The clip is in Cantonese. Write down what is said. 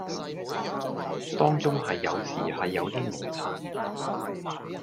當中係有時係有啲磨擦